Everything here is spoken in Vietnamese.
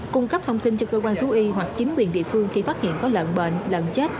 cung cấp thông tin cho cơ quan thú y hoặc chính quyền địa phương khi phát hiện có lợn bệnh lợn chết